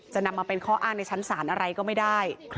จะนำมาเป็นข้ออ้างในชั้นศาลอะไรก็ไม่ได้